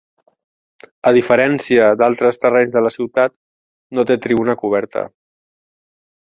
A diferència d'altres terrenys de la ciutat no té tribuna coberta.